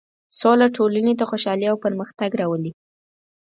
سوله ټولنې ته خوشحالي او پرمختګ راولي.